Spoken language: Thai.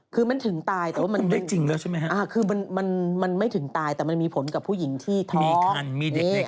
คือมันถึงตายแต่ว่ามันคือมันไม่ถึงตายแต่มันมีผลกับผู้หญิงที่ท้อม